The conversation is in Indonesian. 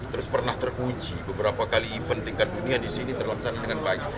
terus pernah teruji beberapa kali event tingkat dunia di sini terlaksana dengan baik